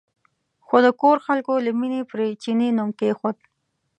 خو د کور خلکو له مینې پرې چیني نوم کېښود.